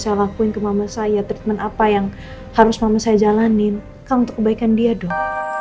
saya lakuin ke mama saya treatment apa yang harus mama saya jalanin kan untuk kebaikan dia dong